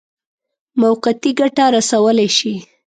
موقتي ګټه رسولای شي.